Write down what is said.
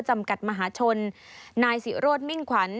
จำกัดมหาชนนายศิโรธมิ่งขวัญ